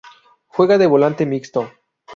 Juega de volante mixto.